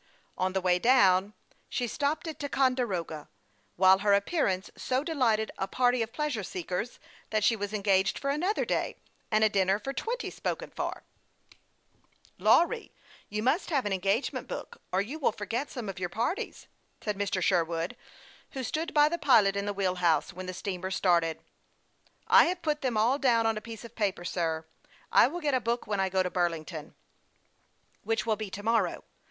On the way down, she stopped at Ticonde roga, while her appearance so delighted a party of pleasure seekers that she was engaged for another day, and a dinner for twenty spoken for. 240 HASTE AND WASTE, OR " Lawry, you must have an engagement book, or you will forget some of your parties," said Mr. Sherwood, who stood by the pilot, in the wheel house, when the steamer started. " I have put them all down on a piece of paper, sir. I will get a book when I go to Burlington." " Which will be to morrow.